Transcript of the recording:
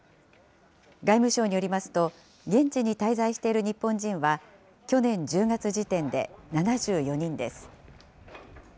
外務省によりますと、現地に滞在している日本人は去年１０月時点で７４人です。